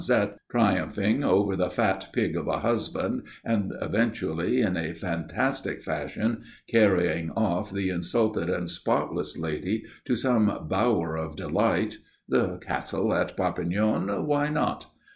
Zette, triumphing over the fat pig of a husband, and eventually, in a fantastic fashion, carrying off the insulted and spotless lady to some bower of delight (the castle in Perpignan why not?)